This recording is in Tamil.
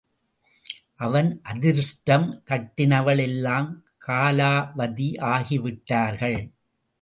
அவன் அதிருஷ்டம் கட்டினவள் எல்லாம் காலாவதி ஆகிவிட்டார்கள்.